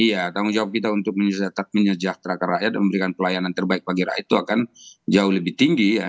iya tanggung jawab kita untuk menyejahterakan rakyat dan memberikan pelayanan terbaik bagi rakyat itu akan jauh lebih tinggi ya